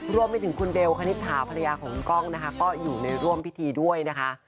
ร่วมให้ถึงคุณเบลคณิตภาพรรยาของก้องก็อยู่ในร่วมพิธีด้วย